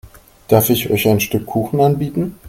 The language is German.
Darf ich euch ein Stück Kuchen anbieten?